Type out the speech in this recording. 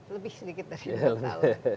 lebih sedikit dari dua tahun